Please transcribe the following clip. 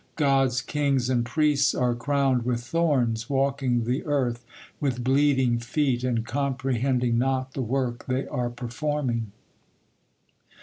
God's kings and priests are crowned with thorns, walking the earth with bleeding feet and comprehending not the work they are performing.